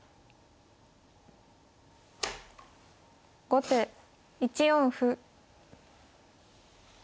後手１四歩。